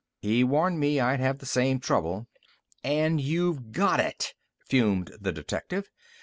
He warned me I'd have the same trouble." "And you've got it!" fumed the detective.